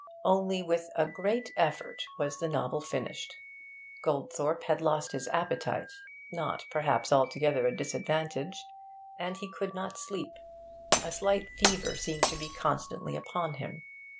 Only with a great effort was the novel finished. Goldthorpe had lost his appetite (not, perhaps, altogether a disadvantage), and he could not sleep; a slight fever seemed to be constantly upon him.